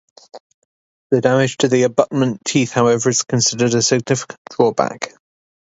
The damage to the abutment teeth, however, is considered a significant drawback.